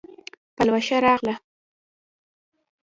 پلوشه راغله